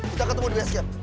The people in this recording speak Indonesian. kita ketemu di basecamp